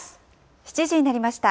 ７時になりました。